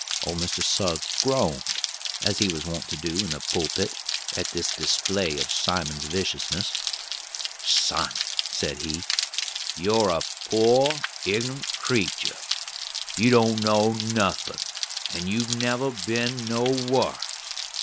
Old Mr. Suggs groaned, as he was wont to do in the pulpit, at this display of Simon's viciousness. "Simon," said he, "you're a poor ignunt creetur. You don't know nothin', and you've never been nowhars.